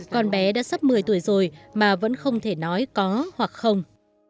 con bé đã sắp một mươi tuổi rồi mà vẫn không thể nói có hoặc không